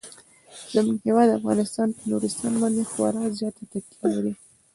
زموږ هیواد افغانستان په نورستان باندې خورا زیاته تکیه لري.